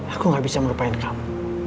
aku gak bisa merupai kamu